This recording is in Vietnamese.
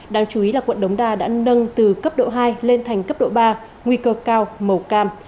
đáng chú ý là quận đống đa đã nâng từ cấp độ hai lên thành cấp độ ba nguy cơ cao màu cam